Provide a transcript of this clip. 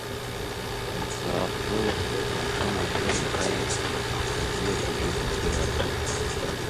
Уанҵааҟәрылах, амшын уашьыр иаҳа ихьӡуп, аӡиа хәыҷы уҭаԥсыр аҵкыс.